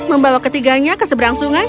membawa ketiganya keseberang sungai